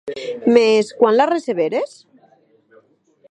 Mès quan la receberes?